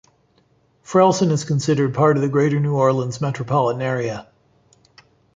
Frellsen is considered part of the Greater New Orleans Metropolitan area.